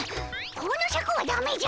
このシャクはダメじゃ！